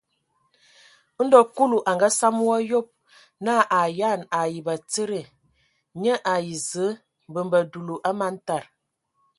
Ndɔ Kulu a ngasam wɔ a yob, nə a ayan ai batsidi, nye ai Zǝə naa: mbembe dulu, a man tad.